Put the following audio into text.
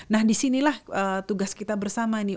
nah disinilah tugas kita bersama nih